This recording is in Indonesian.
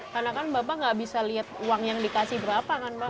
karena kan bapak gak bisa liat uang yang dikasih berapa kan pak